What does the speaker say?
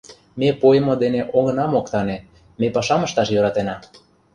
Ме пойымо дене огына моктане, ме пашам ышташ йӧратена.